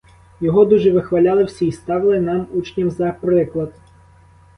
Його дуже вихваляли всі й ставили нам учням за приклад.